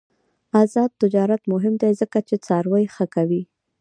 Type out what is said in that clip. آزاد تجارت مهم دی ځکه چې څاروي ښه کوي.